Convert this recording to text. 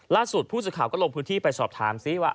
ล่าสุดผู้สื่อข่าวก็ลงพื้นที่ไปสอบถามซิว่า